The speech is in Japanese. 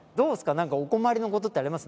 何かお困りのことってあります？